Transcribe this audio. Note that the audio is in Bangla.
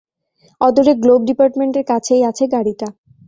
অদূরে গ্লোভ ডিপার্টম্যান্টের কাছেই আছে গাড়িটা!